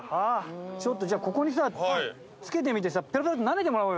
ちょっとじゃあ、ここにさ、つけてみて、ぺろぺろってなめてみてもらおうよ。